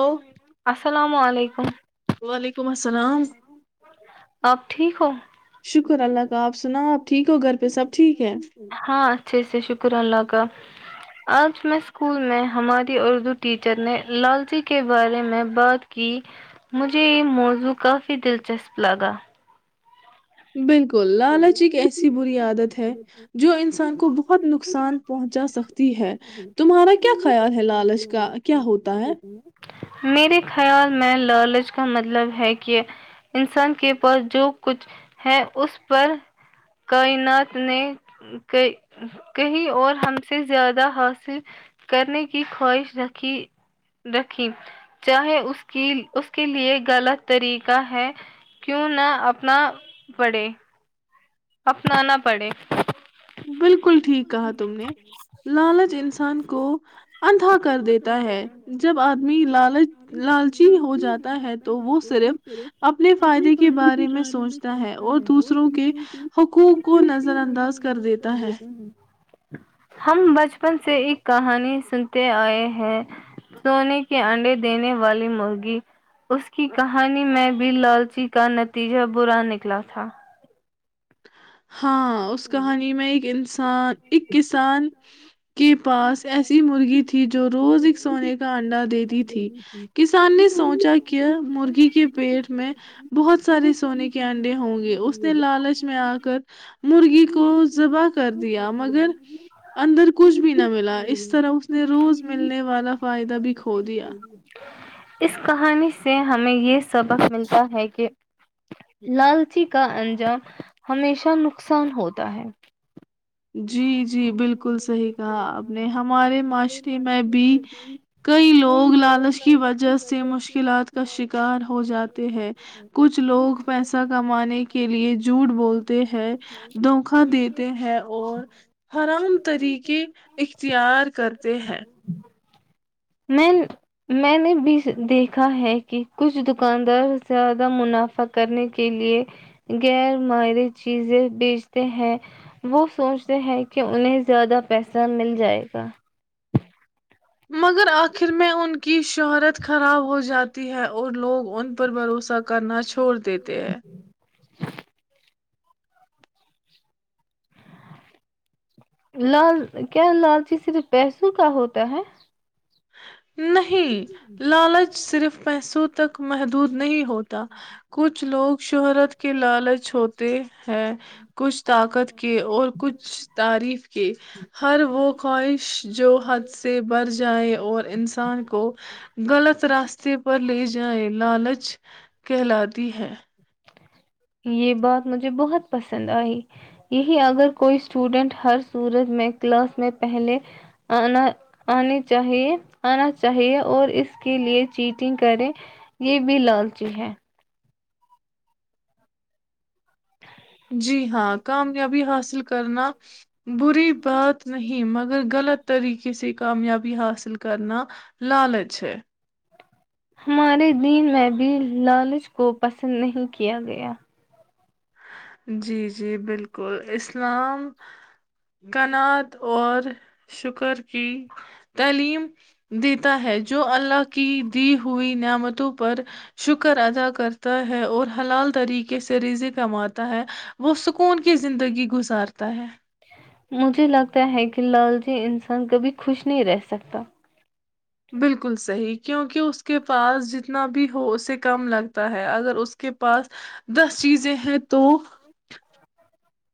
السلام السلام علیکم والک حیکم السلام شکر اللہ کا آپ سناپ ہاں اچھے ا سے شکر اللہ کا آج میں اسکول میں ہماری اردو ٹیچر نے لال جی کے بارے میں بات کی مجھے یہ موضوع کافی دلچسپ لگا بالکل لالچ ایک ایسی بری عادت ہے جو انسان کو بہت نقصان پہنچا سکتی ہے تمہارا کیا خیال ہے لالچ کا کیا ہوتا ہے میرے خیال میں لالچ کا مطلب ہے کہ انسان کے پاس جو کچھ ہے اس پر کائنات نے کہیں اور ہم سے زیادہ حاصل کرنے کی خواہش رکھی رکھی چاہے اس کی اس کے لیے غلط طریقہ ہے کیوں نہ اپنا پڑے اپنانا پڑے بالکل ٹھیک کہا تم نے لالچ انسان کو اندھا کر دیتا ہے جب آدمی لالچ لالچی ہو جاتا ہے تو وہ صرف اپنے فائدے کے بارے میں سوچتا ہے اور دوسروں کے حقوق کو نظر انداز کر دیتا کروتا ہ ہم بچپن سے ایک کہانی سن آئے ہیں سونے کے انڈے دینے والی مرغی اس کی کہانی میں بھی لالچی کا نتیجہ برا نکلا تھا ہاں اس کہانی میں ایک انسان اک کسان کہ پاس ایسی مرغی تھی جو روز ایک سونے کا انڈا دیتی تھی کسان نے سوچ چ کیا مرغی کے پیٹ میں بہت سارے سونے کے انڈے ہوں گے اس نے لالچ میں آ مرغی کو ذبح کر دیا مگر اندر کچھ بھی نہ ملا اس طرح اس نے روز ملنے والا فائدہ بھی کھو دیا اس کہانی سے ہمیں یہ سبق ملتا ہے کہ لالچی کا انجام ہمیشہ نقصان ہوتا ہے جی جی بالکل صحیح کہا آپ نے ہمارے معاشرے میں بھی کئی لوگ لالچ کی وجہ سے مشکلات کا شکار ہو جاتے ہیں کچھ لوگ پیسہ کمانے کے لیے جھوٹ بولتے ہیں دھوکا دیتے ہیں اور آرام طریقے اختیار کرتے ہیں میں میں نے بھی دیکھا ہے کہ کچھ دکاندار زیادہ منافع کرنے کے لئے غیر ماہری چیزیں بیچتے ہیں وہ سوچتے ہیں کہ انہیں زیادہ پیسہ مل جائے گا مگر آخر میں ان کی شہرت خراب ہو جاتی ہے اور لوگ ان پر بھروسہ کرنا چھوڑ دیتے ہیں لال کیا لالچی صرف پیسوں کا ہوتا ہے نہیں لالچ صرف پیسوں تک محدود نہیں ہوتا کچھ لوگ شہرت کے لالچ ہوتے ہیں کچھ طاقت کے اور کچھ تعریف کے ہر وہ خواہش جو حد سے بر جائے اور انسان کو غلط راستے پر لے جائیں لالچ کہلاتی ہے یہ بات مجھے بہت پسند آئی یہی اگر کوئی اسٹوڈینٹ ہر سورج میں کلاس میں پہلے آنا آنے چاہیے آنا چاہیے اور اس کے لیے چیٹنگ کرے یہ بھی لالچی ہے جی ہاں کامیابی حاصل کرنا بری بات نہیں مگر غلط طریقے سے کامیابی حاصل کرنا لالچ ہے ہمارے دین میں بھی لالچ کو پسند نہیں کیا گیا جی جی بالکل اسلام کناعت اور شکر کی تعلیم دی ہے جو اللہ کی دی ہوئی نعمتوں پر شکر ادا کرتا ہے اور حلال طریقے سے ریزیں کماتے [inaudible] وہ سکون کی زندگی گزارتا ہے مجھے لگتا ہے کہ لال جی انسان کبھی خوش نہیں رہ سکتا بالکل صحیح کیونکہ اس کے پاس جتنا بھی ہو اسے کم لگتا ہے اگر اس کے پاس دس چیزیں ہیں تو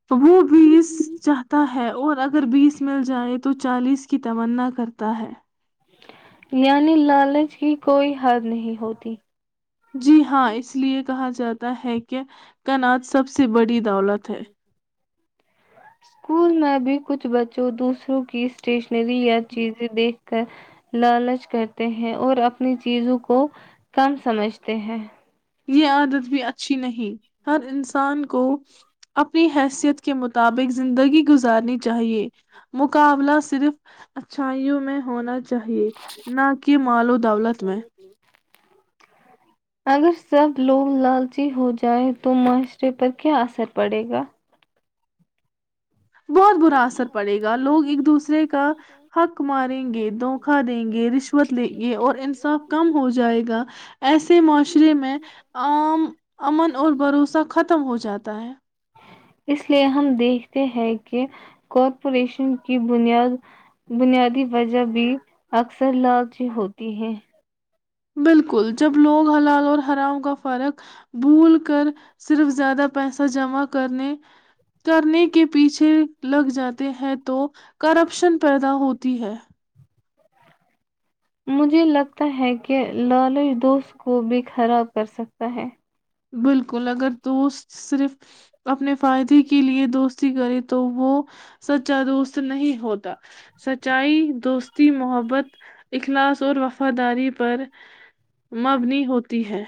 تو وہ بھیز چاہتا ہے ہے اور اگر بیس مل جائے تو چالیس کی تمنا کرتا ہے یعنی لالچ کی کوئی حار نہیں ہوتی جی ہاں اس لیے کہا جاتا ہے کہ کنات سب سے سب سے بڑی دولت ہے اسکول میں بھی کچھ بچوں دوسروں کی اسٹیشن اپری یا چیز دی لالچ کرتے ہیں اور اپنی چیزوں کو کم سمجھتے ہیں یہ عادت بھی اچھی نہیں ہر انسان کو اپنی حیثیت کے مطابق زندگی گزارنی چاہیے مقابلہ صرف اچھائیوں میں ہونا چ چاہیے نہ کہ مال و دولت میں اگر سب لوگ لالچی ہو جائے تو معاشرے پر کیا اثر پڑے گا بہت برا اثر پڑے گا لوگ ایک دوسرے کا حق ماریں گے دھوکا دیں گے رشوت لیں گے اور انصاف کم ہو جائے گا ایسے معاشرے میں عام امن اور بھروسہ ختم ہو جاتا [inaudible] اس لیے ہم دیکھتے ہیں کہ کارپوریشن کی بنیاد بنیادی وجہ بھی اکثر لالچی ہوتی ہے بالکل جب لوگ حلال اور ہرام کا فرق بھول کر صرف زیادہ پیسہ جمع کرنے کرنے کے پیچھے لگ جاتے ہیں تو کرپشن پیدا ہوتی ہے مجھے لگتا ہے کہ لالچ دوست کو بھی خراب کر سکتا ہے بالکل اگر دوست صرف اپنے فائدے کے لیے دوستی کرے تو وہ سچا دوست نہیں ہوتا سچائی دوستی محبت اخلاص اور وفاداری پر مبنی ہوتی ہے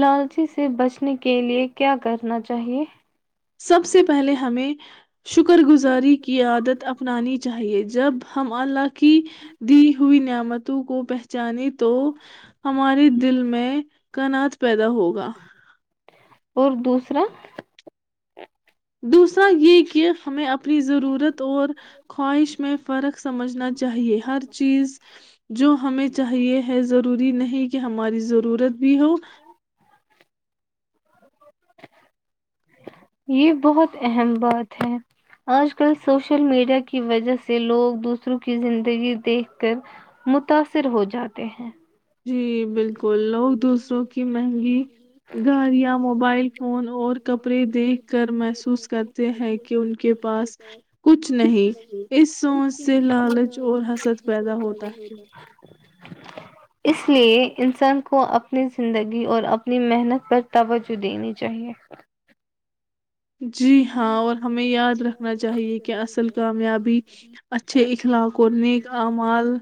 لالچی سے بچنے کے لیے کیا کرنا چاہیے سب سے پہلے ہمیں شکر گزاری کی عادت اپنانی چاہیے جب ہم اللہ کی دی ہوئی نعمتوں کو جانی تو ہم ہمارے دل میں کنات پیدا ہوگا اور دوسرا دوسرا یہ کہ ہمیں اپنی ضرورت اور خواہش میں فرق سمجھنا چاہیے ہر چیز جو ہمیں چاہیے ہے ضروری نہیں کہ ہماری ضرورت بھی ہو یہ بہت اہم بات ہے آج کل سوشل میڈیا کی وجہ سے لوگ دوسروں کی زندگی دیکھ کر متاثر ہو جاتے ہیں جی بالکل لوگ دوس اوکے مہنگی گاڑیاں موبائل فون اور کپڑے دیکھ کر محسوس کرتے ہیں کہ ان کے پاس کچھ نہیں اسوں سے لالچ اور حسد پیدا ہوتا ہے اس لیے انسان کو اپنے زندگی اور اپنی محنت پر توجہ دینی چاہیے جی ہاں اور ہمیں یاد رکھنا چاہیے کہ اصل کامیابی اچھے اخلاق اور نیک اعمال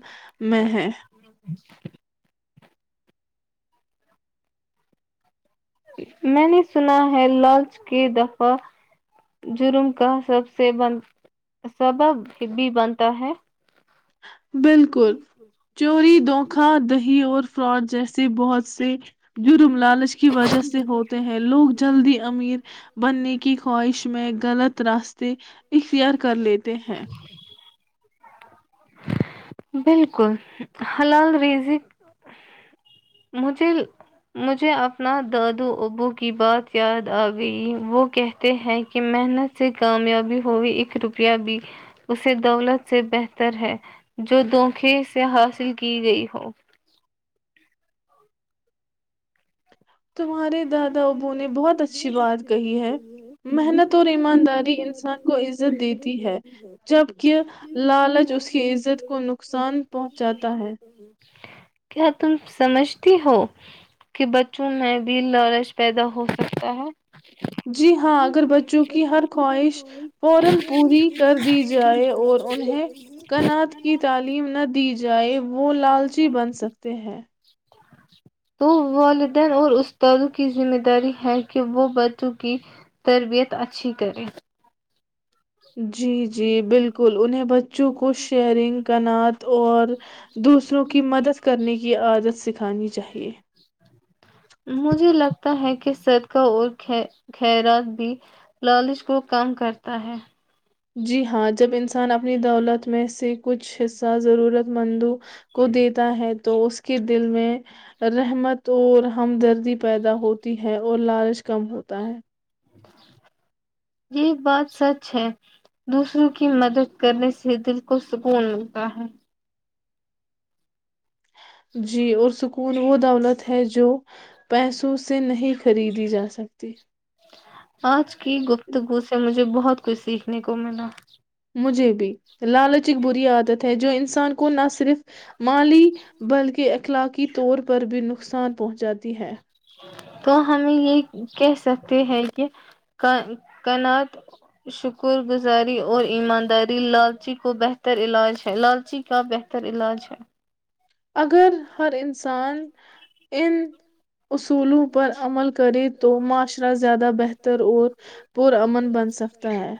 میں ہے [inaudible] میں نے سنا ہے لالچ کے دفعہ جرم کا س سبب بھی بنتا ہے [inaudible] بالکل چوری دوکھا دہی اور فراڈ جیس بہت سے جرم لالچ کی وجہ سے ہوتے ہیں لوگ جلدی امیر بننے کی خواہش میں غلط راستے اختیار کر لیتے ہیں بالکل حلال رزق مجھے مجھے اپنا دادو ابو کی بات یاد آ گئی وہ کہتے ہیں کہ محنت سے کامیابی ہوئی ایک روپیہ بھی اسے دولت سے بہتر ہے جو دھوکے سے حاصل کی گئی ہو تمہارے دادا ابو نے بہت اچھی بات کہی ہے محنت اور ایمانداری انسان کو عزت دیتی ہے جب کہ لالچ اس کی عزت کو نقصان پہنچاتا ہے کیا تم سمجھتی ہو کہ بچوں میں بھی لالچ پیدا ہو سکتا ہے جی ہاں اگر بچوں کی ہر خواہش فورا پوری کر دی جائے اور انہیں قناعت کی تعلیم نہ دی جائے وہ لالچی بن سکتے ہیں تو والدین اور استادوں کی ذمہ داری ہے کہ وہ بچوں کی تربیت اچھی کریں جی جی بالکل انہیں بچوں کو شیئرنگ کنعات اور دوسروں کی مدد کرنے کی عادت سکھا اٹھانی چاہیے مجھے لگتا ہے کہ صدقہ اور خیرات بھی لالچ کو کم کرتا ہے جی ہاں جب انسان اپنی دولت میں سے کچھ حصہ ضرورت مندوں کو دیتا ہے تو اس کے دل میں رحمت اور ہمدردی پیدا ہوتی ہے اور لالچ کم ہوتا ہے یہ بات سچ ہے دوسروں کی مدد کرنے سے دل کو سکون ملتا ہے جی اور سکون وہ دولت ہے جو پیسوں سے نہیں خریدی جا سکتی آج کی گپتگو سے مجھے بہت کچھ سیکھنے کو ملا مجھے بھی لالچ ایک بری عادت ہے جو انسان کو نہ صرف مالی بلکہ اخلاقی طور پر بھی نقصان پہنچاتی ہے تو ہمیں یہ کہ سکتے ہیں کہ کناات شکر گزاری اور ایمانداری لالچی کو بہتر علاج ہے لالچی کا بہتر علاج ہے اگر ہر انسان انند [unintelligible] اصولوں پر عمل کرے تو معاشرہ زیادہ بہتر اور پرامن بن سکتا ہے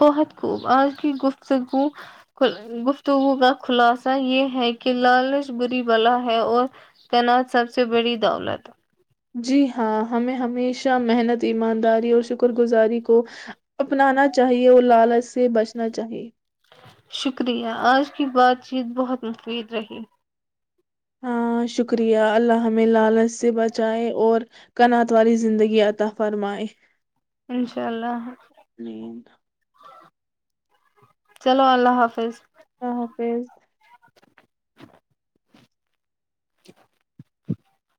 بہت خوب آج کی گفتگو گفتگو کا خلاصہ یہ ہے کہ لالچ بری بلا ہے اور تعنات سب سے بڑی دولت جی ہاں ہمیں ہمیشہ محنت ایمانداری اور شکر گزاری کو اپنانا چاہیے اور لالچ سے بچنا چاہیے شکریہ آج کی بات چیت بہت مفید رہی ہاں شکریہ اللہ ہمیں لالچ سے بچائیں اور کنعت والی زندگی عطا فرمائیں انشاء اللہ چلو اللہ حافظ ہ حافظ [unintelligible]